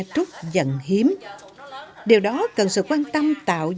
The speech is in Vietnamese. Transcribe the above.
từ việc cho nhóm mở